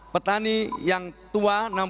petani yang tua